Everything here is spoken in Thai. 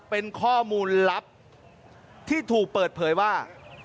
เป็นข้อมูลลับที่ถูกเปิดเผยว่า